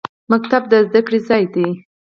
ښوونځی د زده کړې ځای دی